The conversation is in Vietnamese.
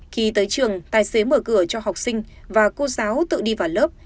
khi tới trường tài xế mở cửa cho học sinh và cô giáo tự đi vào lớp